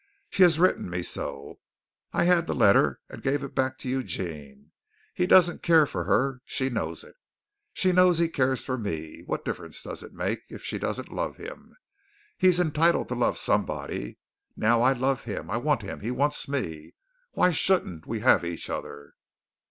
She has written me so. I had the letter and gave it back to Eugene. He doesn't care for her. She knows it. She knows he cares for me. What difference does it make if she doesn't love him. He's entitled to love somebody. Now I love him. I want him. He wants me. Why shouldn't we have each other?"